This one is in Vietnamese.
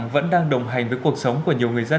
vẫn đang ngày đêm lặng lẽ